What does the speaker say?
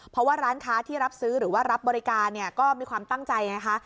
เพราะว่าร้านค้าที่รับซื้อหรือว่ารับบริการเนี่ยก็มีความตั้งใจไงคะ